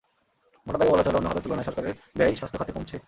মোটা দাগে বলা চলে, অন্য খাতের তুলনায় সরকারের ব্যয় স্বাস্থ্য খাতে কমছে।